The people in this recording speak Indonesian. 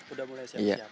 udah mulai siap siap